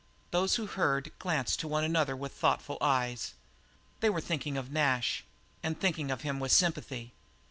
Those who heard glanced to one another with thoughtful eyes. They were thinking of Nash, and thinking of him with sympathy.